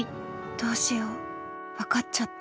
どうしよう分かっちゃった。